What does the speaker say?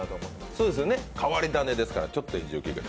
そうですね、変わり種ですから、ちょっとエッジが効いて。